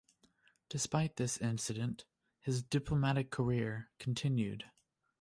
Despite this incident, his diplomatic career continued.